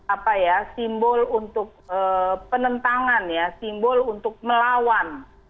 apa ya simbol untuk penentangan ya simbol untuk melawan